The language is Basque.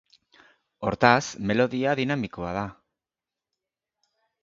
Hortaz, melodia dinamikoa da.